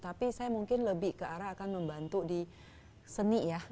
tapi saya mungkin lebih ke arah akan membantu di seni ya